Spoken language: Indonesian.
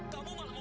kamu malah mau